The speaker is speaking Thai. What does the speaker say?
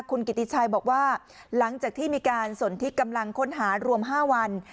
คุณกิติชัยบอกว่าหลังจากที่มีการสนที่กำลังค้นหารวม๕วัน